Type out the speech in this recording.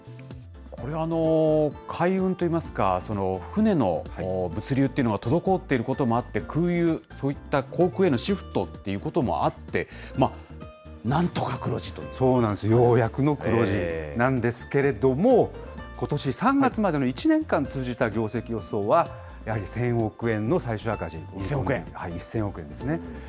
これ、海運といいますか、船の物流というのが滞っていることもあって、空輸、そういった航空へのシフトということもあって、そうなんです、ようやくの黒字なんですけれども、ことし３月までの１年間通じた業績予想は、やはり１０００億円の最終赤字、１０００億円ですね。